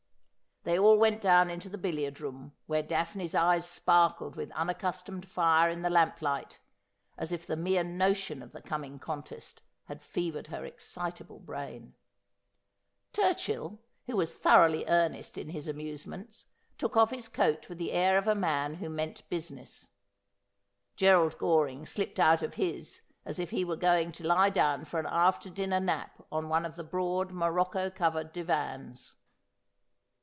They all went down into the billiard room, where Daphne's eyes sparkled with unaccustomed fire in the lamplight, as if the mere notion of the coming contest had fevered her excitable brain. Turchill, who was thoroughly earnest in his amuse ments, took off his coat with the air of a man who meant busi ness. Gerald Goring slipped out of his as if he were going to lie down for an after dinner nap on one of the broad morocco covered divans.